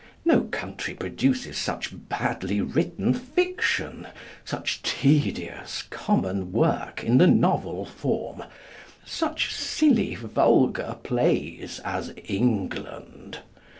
No country produces such badly written fiction, such tedious, common work in the novel form, such silly, vulgar plays as England.